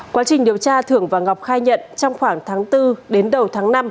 quá trình điều tra thưởng và ngọc khai nhận trong khoảng tháng bốn đến đầu tháng năm